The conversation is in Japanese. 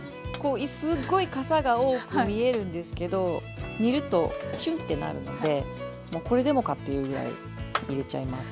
すっごいかさが多く見えるんですけど煮るとしゅんってなるのでもうこれでもかというぐらい入れちゃいます。